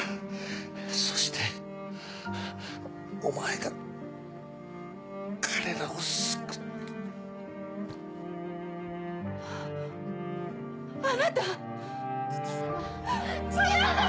そしてお前が彼らを救あなた！